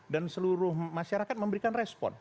dan seluruh masyarakat memberikan respon